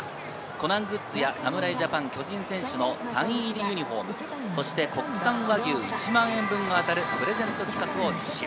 コナングッズや侍ジャパン巨人選手のサイン入りユニホーム、そして国産和牛、１万円分が当たるプレゼント企画を実施。